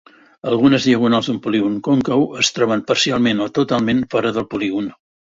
Algunes diagonals d'un polígon còncau es troben parcialment o totalment fora del polígon.